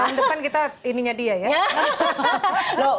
tahun depan kita ininya dia ya